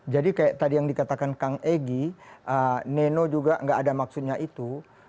jadi kayak tadi yang dikatakan kang egy neno juga nggak ada maksudnya itu